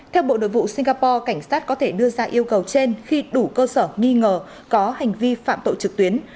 theo bộ nội vụ singapore cảnh sát có thể đưa ra yêu cầu trên khi đủ cơ sở nghi ngờ có hành vi phạm tội trực tuyến